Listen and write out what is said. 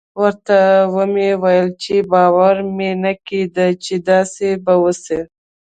ورته ومې ويل چې باور مې نه کېده چې داسې به وسي.